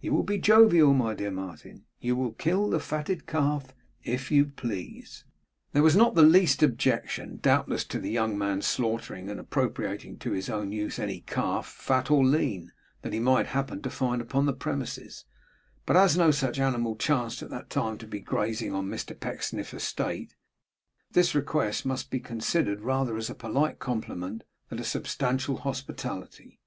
You will be jovial, my dear Martin, and will kill the fatted calf if you please!' There was not the least objection, doubtless, to the young man's slaughtering and appropriating to his own use any calf, fat or lean, that he might happen to find upon the premises; but as no such animal chanced at that time to be grazing on Mr Pecksniff's estate, this request must be considered rather as a polite compliment that a substantial hospitality.